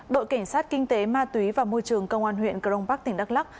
đội cảnh sát kinh tế ma túy và môi trường công an huyện crong park tỉnh đắk lắc